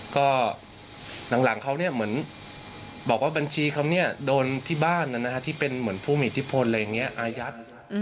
ก็หลังเขาเหมือนบอกว่าบัญชีเขาเนี่ยโดนที่บ้านที่เป็นเหมือนผู้มีอิทธิพลอะไรอย่างนี้อายัด